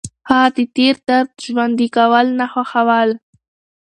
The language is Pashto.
هغه د تېر درد ژوندي کول نه خوښول.